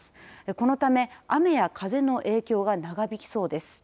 このため、雨や風の影響が長引きそうです。